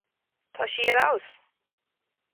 Tá sí ar fheabhas.